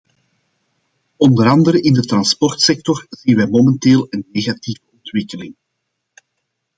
Onder andere in de transportsector zien wij momenteel een negatieve ontwikkeling.